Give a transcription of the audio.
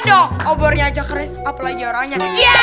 obornya aja keren apalagi orangnya